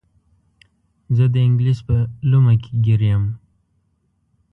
زه د انګلیس په لومه کې ګیر یم.